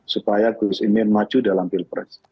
supaya gus imin maju dalam pilpres